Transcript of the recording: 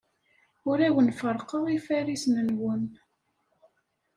Ur awen-ferrqeɣ ifarisen-nwen.